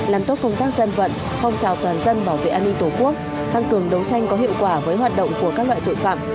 làm tốt công tác dân vận phong trào toàn dân bảo vệ an ninh tổ quốc tăng cường đấu tranh có hiệu quả với hoạt động của các loại tội phạm